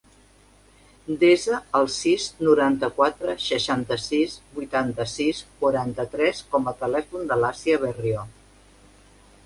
Desa el sis, noranta-quatre, seixanta-sis, vuitanta-sis, quaranta-tres com a telèfon de l'Àsia Berrio.